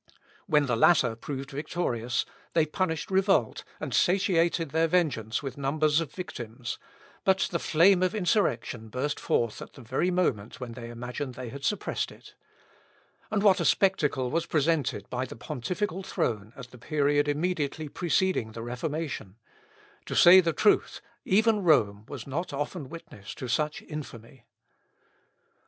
When the latter proved victorious, they punished revolt, and satiated their vengeance with numbers of victims; but the flame of insurrection burst forth at the very moment when they imagined they had suppressed it. And what a spectacle was presented by the pontifical throne at the period immediately preceding the Reformation! To say the truth, even Rome was not often witness to such infamy. Schmidt, Gesch. der Deutschen.